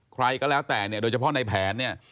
ใครก็แล้วแต่เนี่ยโดยเฉพาะในแผนเนี่ย